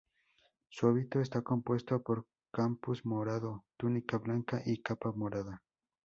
Su hábito está compuesto por capuz morado, túnica blanca y capa morada.